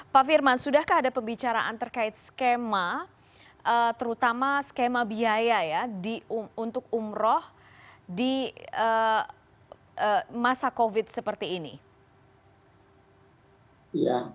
pak firman sudahkah ada pembicaraan terkait skema terutama skema biaya ya untuk umroh di masa covid seperti ini